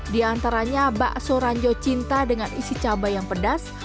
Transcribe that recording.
di antaranya bakso ranjau cinta dengan isi cabai yang pedas